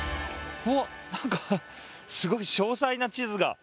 うわ何かすごく詳細な地図が。